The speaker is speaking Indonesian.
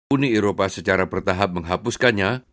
uni eropa secara bertahap menghapuskannya